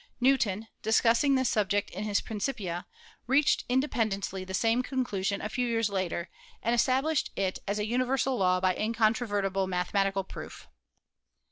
Newton, discussing this subject in his Principia, reached independently the same conclusion a few years later and established it as a universal law by incontrovertible mathe matical proof.